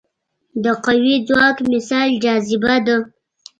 د قوي ځواک مثال جاذبه ده.